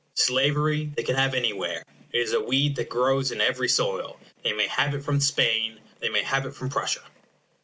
Slavery they can have anywhere it is a weed that grows in every soil. They may have it from Spain; they may have it from Prussia.